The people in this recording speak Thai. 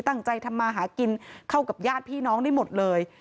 ตั้งใจทำมาหากินเข้ากับญาติพี่น้องได้หมดเลย